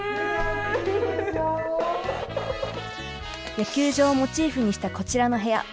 野球場をモチーフにしたこちらの部屋。